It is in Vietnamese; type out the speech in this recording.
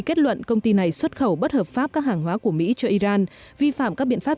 kết luận công ty này xuất khẩu bất hợp pháp các hàng hóa của mỹ cho iran vi phạm các biện pháp